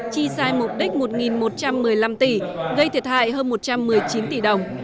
chi sai mục đích một một trăm một mươi năm tỷ gây thiệt hại hơn một trăm một mươi chín tỷ đồng